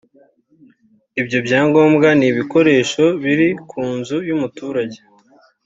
Ibyo byangombwa n’ibikoresho biri ku nzu y’umuturage